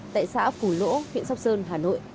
tại xã phủ lỗ huyện sóc sơn hà nội